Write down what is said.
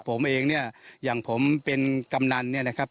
ผมเองเนี่ยอย่างผมเป็นกำนันเนี่ยนะครับ